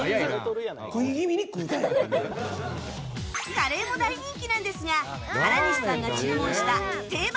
カレーも大人気なんですが原西さんが注文した定番！